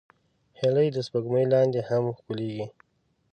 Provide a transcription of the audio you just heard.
هیلۍ د سپوږمۍ لاندې هم ښکليږي